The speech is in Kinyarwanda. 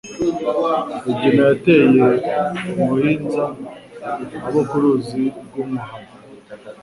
Rugina yateye umuhinza Abo ku ruzi rw'umuhayo,